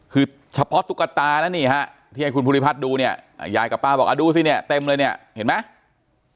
คือเฉพาะตุ๊กตานะนี่ฮะที่ให้คุณภูริพัฒน์ดูเนี่ยยายกับป้าบอกดูสิเนี่ยเต็มเลยเนี่ยเห็นไหม